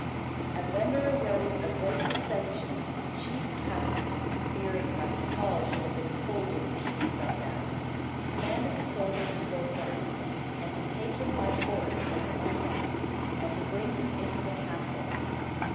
And when there arose a great dissension, the chief captain, fearing lest Paul should have been pulled in pieces of them, commanded the soldiers to go down, and to take him by force from among them, and to bring him into the castle.